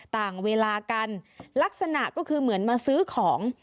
ต่างเวลากันลักษณะก็คือเหมือนมาซื้อของ